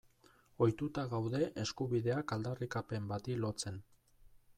Ohituta gaude eskubideak aldarrikapen bati lotzen.